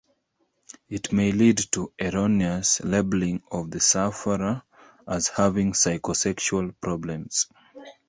It may lead to erroneous labelling of the sufferer as having psychosexual problems.